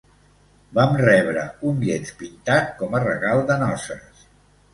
Vam rebre un llenç pintat com a regal de noces.